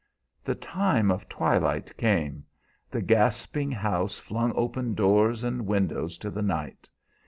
The time of twilight came; the gasping house flung open doors and windows to the night.